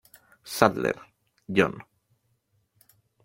Sadler, John.